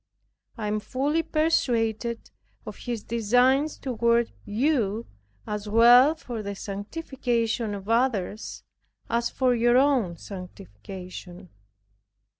I am fully persuaded of His designs toward you, as well for the sanctification of others, as for your own sanctification.